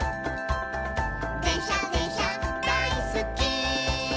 「でんしゃでんしゃだいすっき」